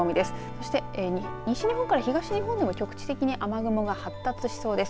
そして西日本から東日本でも局地的に雨雲が発達しそうです。